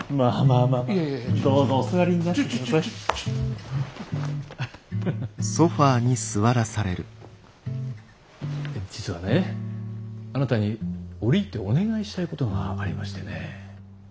あなたに折り入ってお願いしたいことがありましてね。